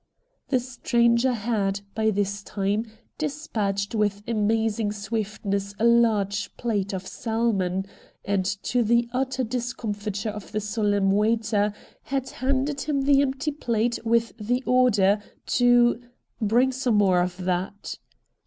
The stranger had, by this time, despatched with amazing swiftness a large plate of salmon, and to the utter discomfiture of the solemn waiter, had handed him the empty plate with the order to ' bring some more of that.'